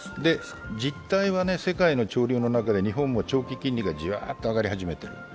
実態は世界の潮流の中で日本も長期金利がじわっと上がり始めている。